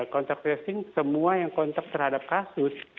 kontak tracing semua yang kontak terhadap kasus